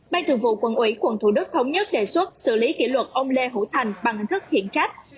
ban thường vụ quận ủy quận thủ đức thống nhất đề xuất xử lý kỷ luật ông lê hữu thành bằng hình thức hiện trách